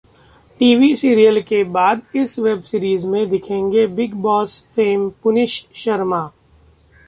TV serial के बाद इस वेब सीरीज में दिखेंगे Bigg Boss fame Puneesh Sharma?